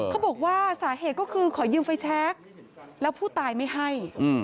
เขาบอกว่าสาเหตุก็คือขอยืมไฟแชคแล้วผู้ตายไม่ให้